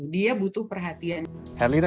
dia butuh perhatian